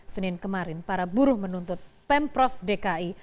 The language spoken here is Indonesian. senin kemarin para buruh menuntut pemprov dki